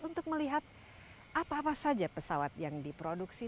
untuk melihat apa apa saja pesawat yang diproduksi